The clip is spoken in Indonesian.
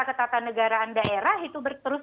ketatanegaraan daerah itu terus